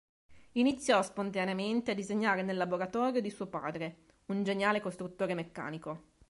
Iniziò spontaneamente a disegnare nel laboratorio di suo padre, un geniale costruttore meccanico.